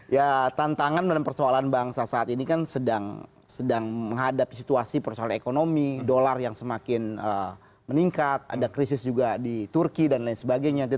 ya tantangan dan persoalan bangsa saat ini kan sedang menghadapi situasi persoalan ekonomi dolar yang semakin meningkat ada krisis juga di turki dan lain sebagainya